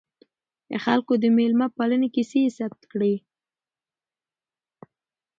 د خلکو د میلمه پالنې کیسې یې ثبت کړې.